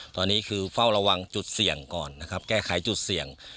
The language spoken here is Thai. ตอนนี้คือเฝ้าระวังจุดเสี่ยงก่อนนะครับแก้ไขจุดเสี่ยง